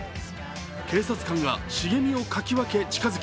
警察官が茂みをかき分け近づき